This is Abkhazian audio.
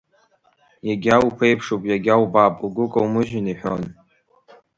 Иагьа уԥеиԥшуп, иагьа убап, угәы каумыжьын иҳәон.